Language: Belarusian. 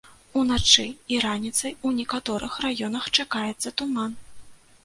Уначы і раніцай у некаторых раёнах чакаецца туман.